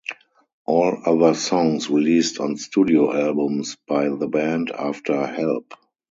All other songs released on studio albums by the band after Help!